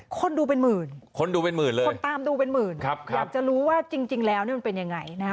คนดูเป็นหมื่นคนตามดูเป็นหมื่นอยากจะรู้ว่าจริงแล้วมันเป็นยังไงนะครับ